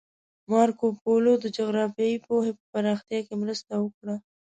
مارکوپولو د جغرافیایي پوهې په پراختیا کې مرسته وکړه.